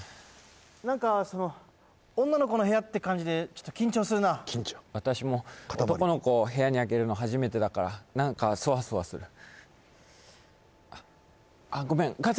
何かその女の子の部屋って感じで緊張するな私も男の子を部屋にあげるの初めてだから何かソワソワするあっごめん風邪